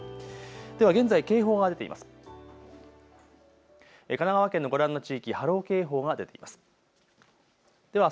では現在、警報が出ています。